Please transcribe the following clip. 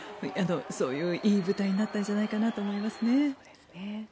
そういういい舞台になったんじゃないかなと思いますね。